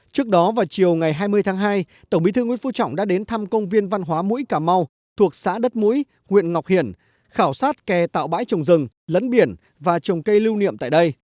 trước đó vào chiều ngày hai mươi tháng hai tổng bí thư nguyễn phú trọng đã đến thăm công viên văn hóa mũi cà mau thuộc xã đất mũi huyện ngọc hiển khảo sát kè tạo bãi trồng rừng lấn biển và trồng cây lưu niệm tại đây